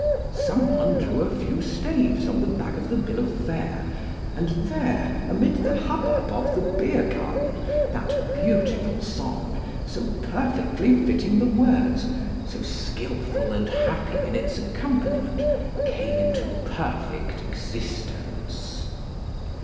Someone drew a few staves on the back of the bill of fare; and there, amid the hubbub of the beer garden, that beautiful song, so perfectly fitting the words, so skilful and happy in its accompaniment, came into perfect existence."